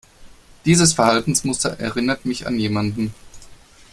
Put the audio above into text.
Dieses Verhaltensmuster erinnert mich an jemanden.